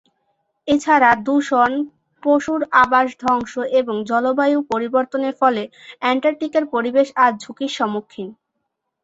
এছাড়া দূষণ, পশুর আবাস ধ্বংস এবং জলবায়ু পরিবর্তনের ফলে অ্যান্টার্কটিকার পরিবেশ আজ ঝুঁকির সম্মুখীন।